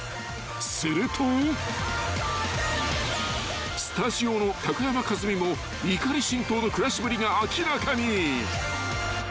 ［するとスタジオの高山一実も怒り心頭の暮らしぶりが明らかに］